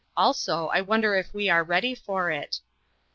Also, I wonder if we are ready for it?"